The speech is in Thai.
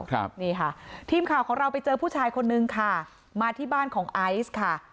ครับนี่ค่ะทีมข่าวของเราไปเจอผู้ชายคนนึงค่ะมาที่บ้านของไอซ์ค่ะ